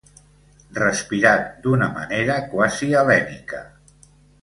Respirat d'una manera quasi hel·lènica.